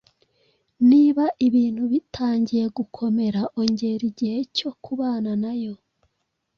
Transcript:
Niba ibintu bitangiye gukomera, ongera igihe cyo kubana na Yo.